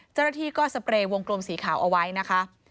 เจ้าหน้าที่ก็สเปรย์วงกลมสีขาวเอาไว้นะคะ